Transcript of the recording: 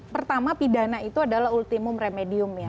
pertama pidana itu adalah ultimum remedium ya